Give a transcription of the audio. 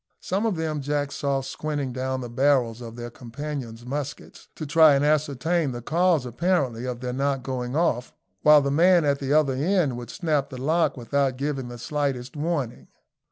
Some of them Jack saw squinting down the barrels of their companions' muskets, to try and ascertain the cause, apparently, of their not going off, while the man at the other end would snap the lock without giving the slightest warning.